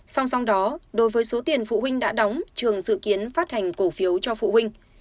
song song đó đối với số tiền phụ huynh đã đóng trường dự kiến phát hành cổ phiếu cho phụ huynh